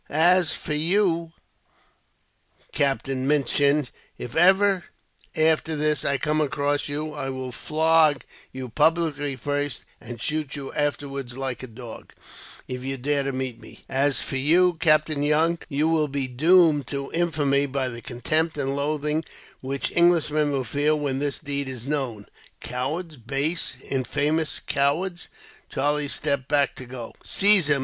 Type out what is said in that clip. "As for you, Captain Minchin, if ever after this I come across you, I will flog you publicly first, and shoot you afterwards like a dog, if you dare to meet me. "As for you, Mr. Drake as for you, Captain Young you will be doomed to infamy, by the contempt and loathing which Englishmen will feel, when this deed is known. "Cowards; base, infamous cowards!" Charlie stepped back to go. "Seize him!"